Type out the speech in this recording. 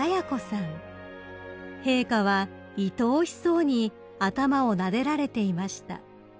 ［陛下はいとおしそうに頭をなでられていました］